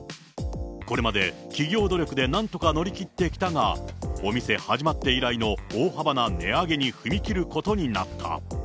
これまで企業努力でなんとか乗り切ってきたが、お店始まって以来の大幅な値上げに踏み切ることになった。